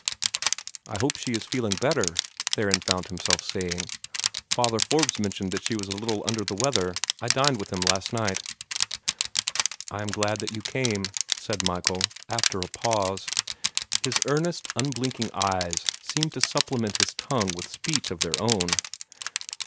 "I hope she is feeling better," Theron found himself saying. "Father Forbes mentioned that she was a little under the weather. I dined with him last night." "I am glad that you came," said Michael, after a little pause. His earnest, unblinking eyes seemed to supplement his tongue with speech of their own.